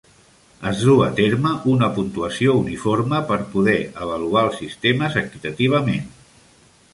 Es duu a terme una puntuació uniforme per poder avaluar els sistemes equitativament.